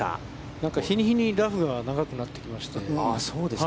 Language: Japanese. なんか日に日にラフが長くなってきまして。